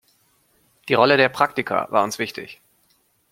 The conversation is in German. Die Rolle der Praktika war uns wichtig.